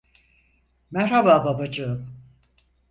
Merhaba babacığım.